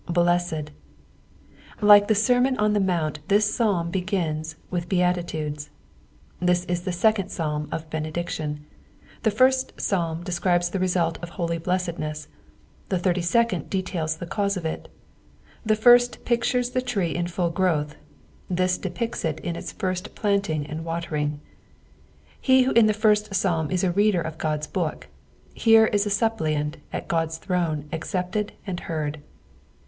"SlesteA,'''' Like tbe sermon on the mount, this Psalm begins with beati tudes. This is the second Psalm of benediction. Tbe first Psalm describes the ksdU of holy blessedness, the thirtj sccond details the cause of it. The first S'ctures the tree in full growth, this depicts it in its first planting and watering, e who in the first Psshn is a reader of Ood^s book, is here s suppliant at God's throue accepted and heard.